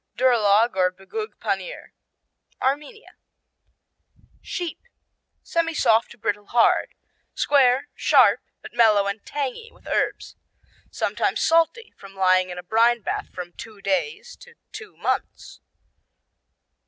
Duralag, or Bgug Panir Armenia Sheep; semisoft to brittle hard; square; sharp but mellow and tangy with herbs. Sometimes salty from lying in a brine bath from two days to two months.